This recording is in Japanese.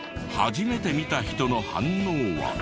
初めて見た人の反応は。